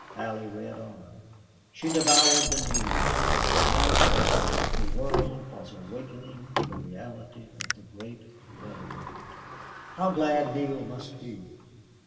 Allie read on. She devoured the news. Manifestly the world was awakening to the reality of the great railroad. How glad Neale must be!